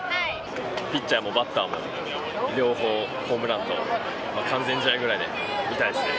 ピッチャーもバッターも両方、ホームランと、完全試合ぐらいで見たいですね。